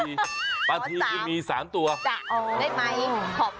พร้อมจำปลาทรีที่มี๓ตัวได้ไหมขอพรรณผม